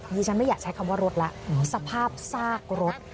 ฉันไม่อยากใช้คำว่ารถแล้วสภาพซากรถ